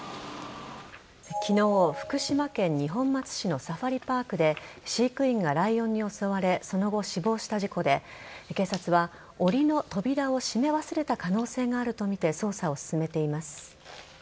昨日、福島県二本松市のサファリパークで飼育員がライオンに襲われその後、死亡した事故で警察はおりの扉を閉め忘れた可能性があるとみて捜査を進めています。